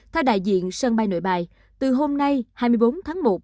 theo đại diện sân bay nội bài từ hôm nay hai mươi bốn tháng một